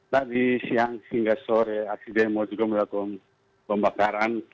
tadi siang hingga sore aksiden mau juga melakukan pembakaran